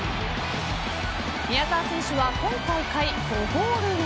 宮澤選手は今大会５ゴール目。